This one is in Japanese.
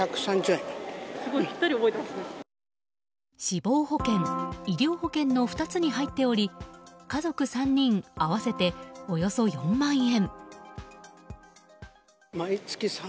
死亡保険、医療保険の２つに入っており家族３人、合わせておよそ４万円。